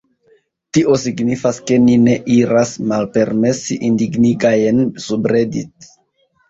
Tio signifas ke ni ne iras malpermesi indignigajn subredit.